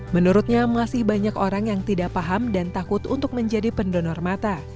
menurutnya masih banyak orang yang tidak paham dan takut untuk menjadi pendonor mata